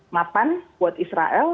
mapan buat israel